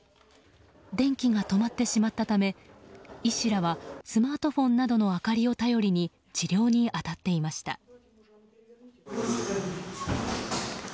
電気が止まってしまったため医師らはスマートフォンなどの明かりを頼りに、治療に当たっていました。